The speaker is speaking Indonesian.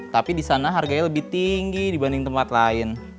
tapi di sana harganya lebih tinggi dibanding tempat lain